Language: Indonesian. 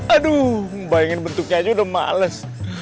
aduh bayangin bentuknya aja udah males